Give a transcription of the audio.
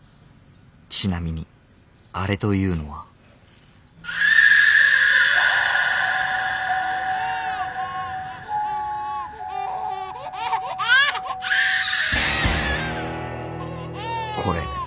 ちなみにアレというのはこれ。